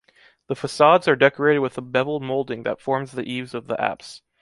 The facades are decorated with a beveled molding that forms the eaves of the apse.